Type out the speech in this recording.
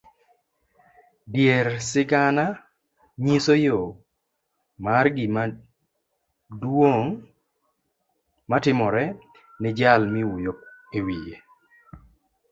Dier sigana nyiso yoo mar gima duong' matimore ni jal miwuyo iwiye.